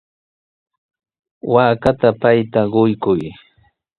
Waakata payta quykuu.